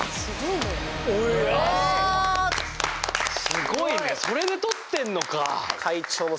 すごいねそれで取ってんのか！